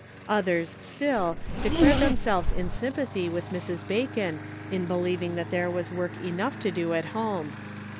Others, still, declared themselves in sympathy with Mrs. Bacon in believing that there was work enough to do at home.